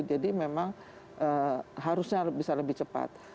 jadi memang harusnya bisa lebih cepat